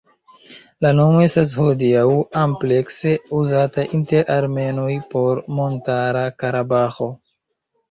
La nomo estas hodiaŭ amplekse uzata inter armenoj por Montara Karabaĥo.